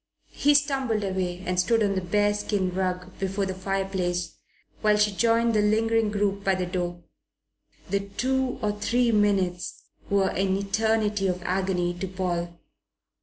He stumbled away and stood on the bearskin rug before the fireplace, while she joined the lingering group by the door. The two or three minutes were an eternity of agony to Paul.